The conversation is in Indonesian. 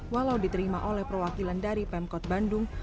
walau diterima oleh perwakilan dari pemkot bandung